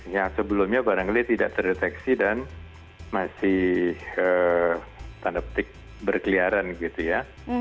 yang sebelumnya barangkali tidak terdeteksi dan masih tanda petik berkeliaran gitu ya